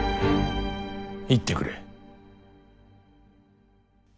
言ってくれ。